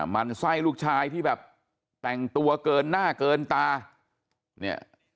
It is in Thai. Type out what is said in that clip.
มันไส้ลูกชายที่แบบแต่งตัวเกินหน้าเกินตาเนี่ย